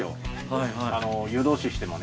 湯通ししてもね。